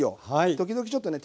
時々ちょっとね